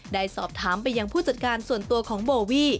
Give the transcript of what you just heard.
ได้สอบถามไปยังผู้จัดการส่วนตัวของโบวี่